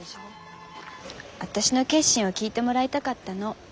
私の決心を聞いてもらいたかったの。